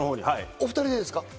お２人でですか？